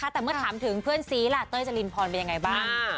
แต่เมื่อถามถึงเพื่อนซีล่ะเต้ยจรินพรเป็นยังไงบ้าง